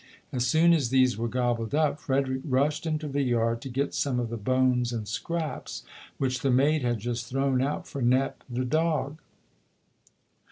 As soon as these were gobbled up, Frederick rushed into the yard to get some of the bones and scraps which the maid had just thrown out for "Nep", the dog.